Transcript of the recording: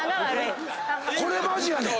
これマジやねん。